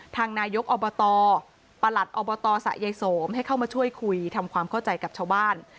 ทางนายกอบตประหลัดอบตสะยายโสมให้เข้ามาช่วยคุยทำความเข้าใจกับชาวบ้าน